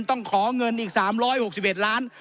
ต้องขอเงินอีก๓๖๑ล้าน